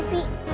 oh sama sekali